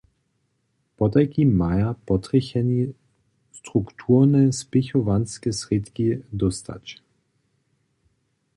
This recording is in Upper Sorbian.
Potajkim maja potrjecheni strukturne spěchowanske srědki dóstać.